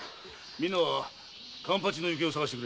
みんなは勘八の行方を捜してくれ。